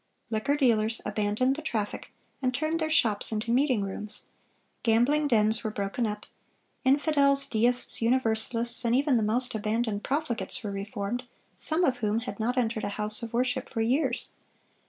Liquor dealers abandoned the traffic, and turned their shops into meeting rooms; gambling dens were broken up; infidels, deists, Universalists, and even the most abandoned profligates were reformed, some of whom had not entered a house of worship for years.